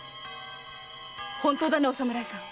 本当だねお侍さん？